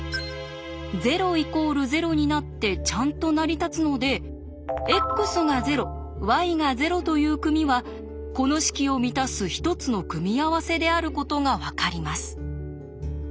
ちゃんと成り立つので「ｘが０ｙが０」という組はこの式を満たす一つの組み合わせであることが分かります。